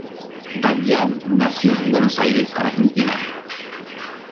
Dayan nació en Buenos Aires, Argentina.